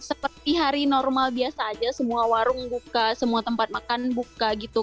seperti hari normal biasa aja semua warung buka semua tempat makan buka gitu